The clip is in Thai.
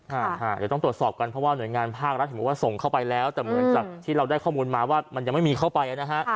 เดี๋ยวต้องตรวจสอบกันเพราะว่าหน่วยงานภาครัฐเห็นบอกว่าส่งเข้าไปแล้วแต่เหมือนจากที่เราได้ข้อมูลมาว่ามันยังไม่มีเข้าไปนะฮะ